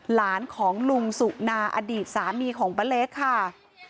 หลานของลุงสุนาอดีตสามีของป้าเล็กค่ะ